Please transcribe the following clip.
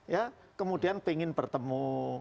ya kemudian pengen bertemu